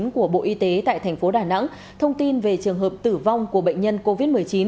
của bộ y tế tại thành phố đà nẵng thông tin về trường hợp tử vong của bệnh nhân covid một mươi chín